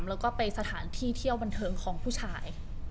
แล้วก็ไปสถานที่เที่ยวบันเทิงของผู้ชาย